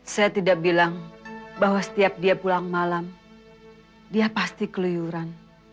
saya tidak bilang bahwa setiap dia pulang malam dia pasti keluyuran